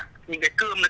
cái thân thái